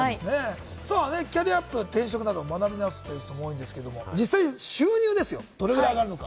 キャリアアップ、転職など学び直しという人も多いんですけど、実際に収入ですよ、どれだけ上がるのか。